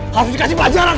harus dikasih pelajaran